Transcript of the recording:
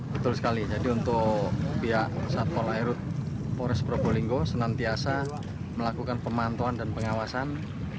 betul sekali jadi untuk pihak satuan polres probolinggo senantiasa melakukan pemantauan dan pengawasan